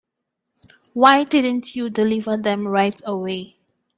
Why didn't you deliver them right away?